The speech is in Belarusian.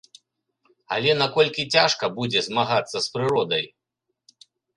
Але наколькі цяжка будзе змагацца з прыродай?